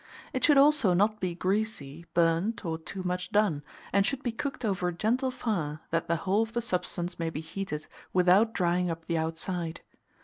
It should also not be greasy, burnt, or too much done, and should be cooked over a gentle fire, that the whole of the substance may be heated without drying up the outside.